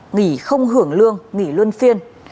nghỉ không hưởng lương nghỉ luôn phiên